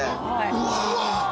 うわ！